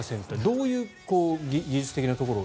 どういう技術的なところが？